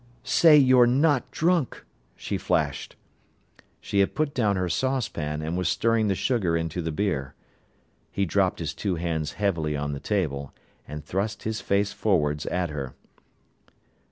"Say you're not drunk!" she flashed. She had put down her saucepan, and was stirring the sugar into the beer. He dropped his two hands heavily on the table, and thrust his face forwards at her.